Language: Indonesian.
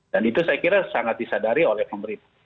dan itu saya kira sangat disadari oleh pemerintah